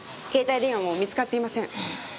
携帯電話も見つかっていません。